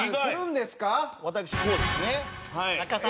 私こうですねはい。